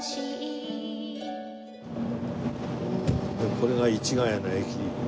これが市ケ谷の駅。